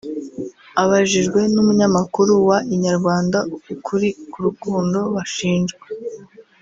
Abajijwe n’umunyamakuru wa Inyarwanda ukuri ku rukundo bashinjwa